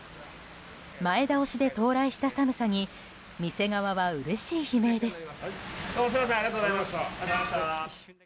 前倒しで到来した寒さに店側はうれしい悲鳴です。